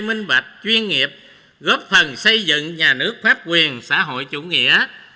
minh bạch chuyên nghiệp góp phần xây dựng nhà nước pháp quyền xã hội chủ nghĩa